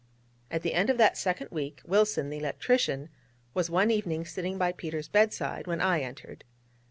At the end of that second week, Wilson, the electrician, was one evening sitting by Peter's bedside when I entered.